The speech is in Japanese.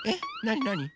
なに？